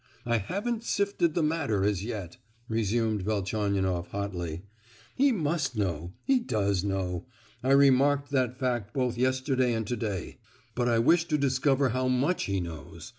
I haven't sifted the matter as yet," resumed Velchaninoff hotly. "He must know—he does know. I remarked that fact both yesterday and to day. But I wish to discover how much he knows.